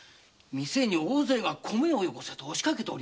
店に大勢が米をよこせと押しかけております。